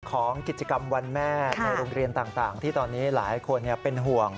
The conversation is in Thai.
ของกิจกรรมวันแม่ในโรงเรียนต่างที่ตอนนี้หลายคนเป็นห่วง